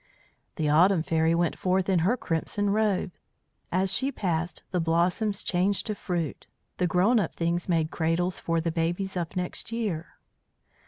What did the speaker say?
The Autumn Fairy went forth in her crimson robe. As she passed the blossoms changed to fruit, the grown up things made cradles for the babies of next year.